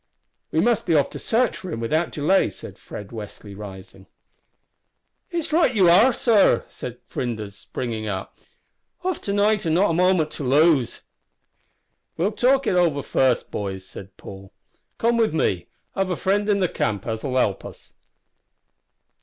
"We must be off to search for him without delay," said Fred Westly, rising. "It's right ye are, sor," cried Flinders, springing up. "Off to night an' not a moment to lose." "We'll talk it over first, boys," said Paul. "Come with me. I've a friend in the camp as'll help us."